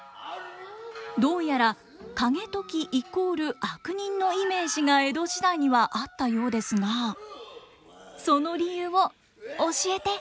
どうやら景時イコール悪人のイメージが江戸時代にはあったようですがその理由を教えて！